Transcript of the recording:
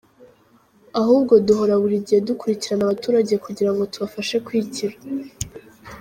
Ahubwo duhora buri gihe dukurikirana abaturage kugira ngo tubafashe kwigira.